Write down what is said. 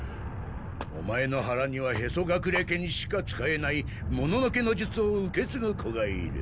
オマエの腹には屁祖隠家にしか使えないもののけの術を受け継ぐ子がいる。